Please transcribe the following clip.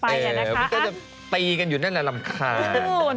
ไม่ได้จะตีกันอยู่นั่นแหละลำคาญ